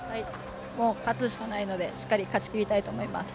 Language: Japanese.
もう勝つしかないのでしっかり勝ち切りたいと思います。